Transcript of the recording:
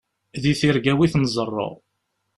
Di tirga-w i ten-ẓerreɣ.